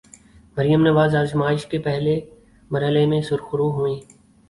مریم نواز آزمائش کے پہلے مرحلے میں سرخرو ہوئیں۔